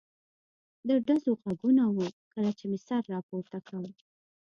د ډزو غږونه و، کله چې مې سر را پورته کړ.